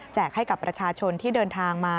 ให้กับประชาชนที่เดินทางมา